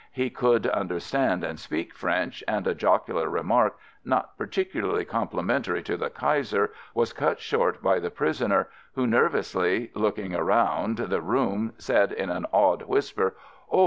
He could under stand and speak French, and a jocular remark not particularly complimentary to the Kaiser was cut short by the pris oner, who, nervously looking round the room, said in an awed whisper, "Oh!